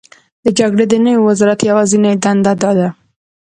د جګړې د نوي وزرات یوازینۍ دنده دا ده: